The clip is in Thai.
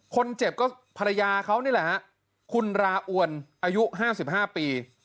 คนเจ็บก็ภรรยาเขานี่แหละฮะคุณราอวนอายุ๕๕ปี